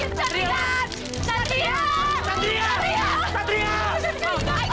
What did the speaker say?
ya allah siapa yang bisa bantu aku